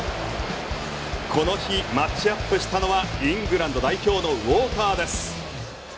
この日、マッチアップしたのはイングランド代表のウォーカーです。